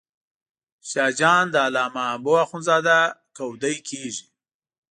شاه جان د علامه حبو اخند زاده کودی کېږي.